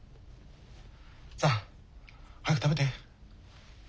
さあ早く食べて。